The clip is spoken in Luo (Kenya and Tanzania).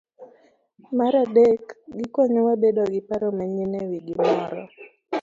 Mar adek, gikonyowa bedo gi paro manyien e wi gimoro.